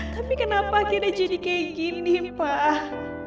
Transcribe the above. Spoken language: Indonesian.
tapi kenapa kita jadi kayak gini pak